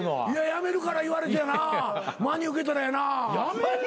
辞めるから言われてやな真に受けたらやな。